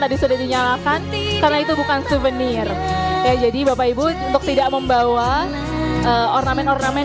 tadi sudah dinyalakan karena itu bukan souvenir jadi bapak ibu untuk tidak membawa ornamen ornamen